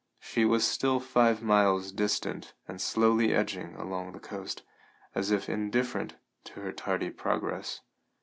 She was still five miles distant and slowly edging along the coast, as if indifferent to her tardy progress.